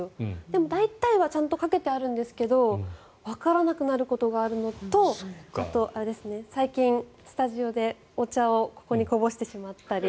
でも、大体はちゃんとかけてあるんですけどわからなくなることがあるのとあと、最近、スタジオでお茶をここにこぼしてしまったり。